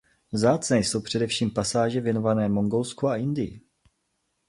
Vzácné jsou především pasáže věnované Mongolsku a Indii.